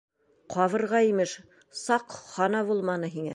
Ҡабырға, имеш, саҡ хана булманы һиңә.